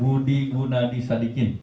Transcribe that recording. budi gunawan sadikin